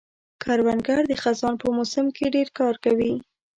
کروندګر د خزان په موسم کې ډېر کار کوي